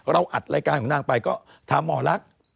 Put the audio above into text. อัดรายการของนางไปก็ถามหมอลักษณ์